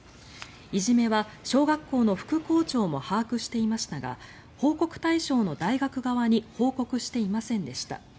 いじめは小学校の副校長も把握していましたが報告対象の大学側に報告していませんでした。